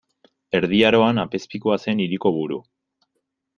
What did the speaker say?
Erdi Aroan, apezpikua zen hiriko buru.